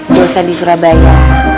dosa di surabaya